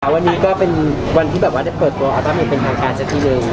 วันนี้ก็เป็นวันที่แบบว่าได้เปิดตัวอัลบั้มนี้เป็นทางการเจ็บที่หนึ่ง